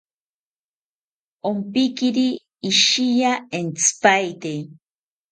Ompiquiri ishiya entzipaete